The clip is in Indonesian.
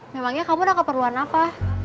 memangnya kamu udah keperluan apa